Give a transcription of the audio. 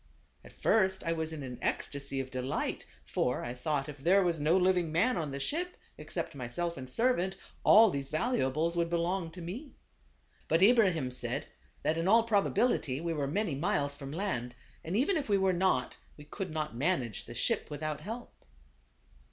At first I was in an ecstasy of de light ; for I thought if there was no living man on the ship except myself and servant, all these valuables would belong to me. But Ibrahim said, that in all probability we were many miles from land, and even if we were not, we could not manage the ship without help.